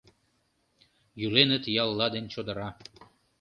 Йӱленыт ялла ден чодыра.